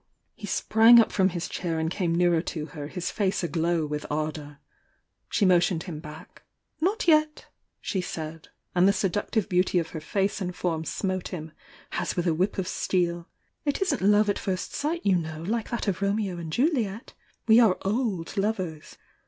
, i He sprang up from his chair and came nearer to her, his face aglow with ardour. She motioned bim *^Not yet!" she said,— and the seductive beauty of her face and form smote him as with a whip ot steel —"It isn't love at first wght, you know, like that of Romeo and Juliet! We are o!d lovers!